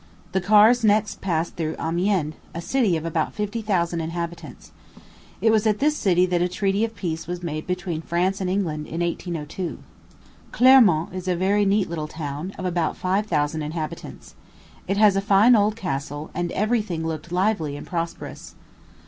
The cars next passed through Amiens, a city of about fifty thousand inhabitants. It was at this city that a treaty of peace was made between France and England, in 1802. Clermont is a very neat little town, of about five thousand inhabitants. It has a fine old castle, and every thing looked lively and prosperous.